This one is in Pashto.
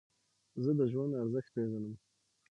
زه د ژوند ارزښت پېژنم.